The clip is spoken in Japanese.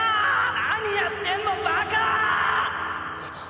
何やってんのバカ！